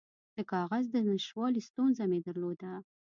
د کاغذ د نشتوالي ستونزه مې درلوده.